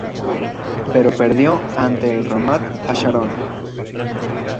Pero perdió ante el Ramat-Hasharon.